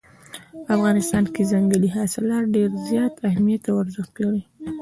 په افغانستان کې ځنګلي حاصلات ډېر زیات اهمیت او ارزښت لري.